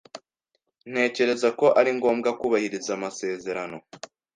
Ntekereza ko ari ngombwa kubahiriza amasezerano.